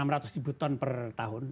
enam ratus ribu ton per tahun